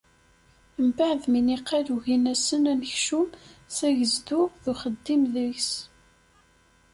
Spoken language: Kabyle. Mbeɛd mi niqal ugin-asen anekcum s agezdu d uxeddim deg-s.